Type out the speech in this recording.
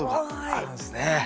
あるんですね。